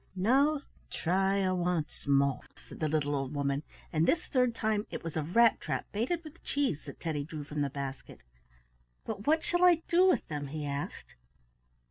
"Now try once more," said the little old woman, and this third time it was a rat trap baited with cheese, that Teddy drew from the basket. "But what shall I do with them?" he asked.